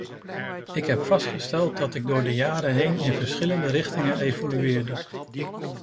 Ik heb vastgesteld dat ik door de jaren heen in verschillende richtingen evolueerde.